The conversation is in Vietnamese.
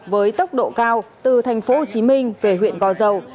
với tốc độ cao từ thành phố hồ chí minh về huyện gò dầu